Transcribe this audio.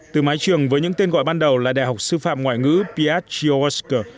từ mái trường với những tên gọi ban đầu là đại học sư phạm ngoại ngữ piatchi goroshka